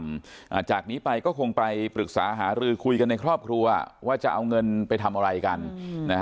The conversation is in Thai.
อ่าจากนี้ไปก็คงไปปรึกษาหารือคุยกันในครอบครัวว่าจะเอาเงินไปทำอะไรกันอืมนะฮะ